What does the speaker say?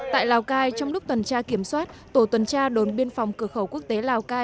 tại lào cai trong lúc tuần tra kiểm soát tổ tuần tra đồn biên phòng cửa khẩu quốc tế lào cai